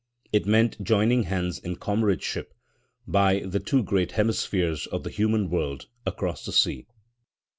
It meant joining hands in comradeship by the two great hemispheres of the human world across the sea.